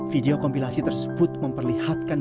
video kompilasi tersebut memperlihatkan